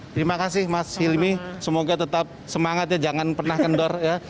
terima kasih mas hilmi semoga tetap semangat ya jangan pernah kendor ya